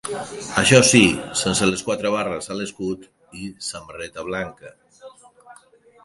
Això sí, sense les quatre barres a l'escut, i samarreta blanca.